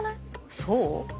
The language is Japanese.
そう？